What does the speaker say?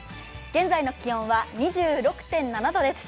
現在の気温は２６．７度です。